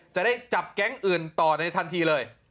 จะได้จับแก๊งอื่นต่อในทันทีเลย